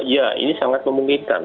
ya ini sangat memungkinkan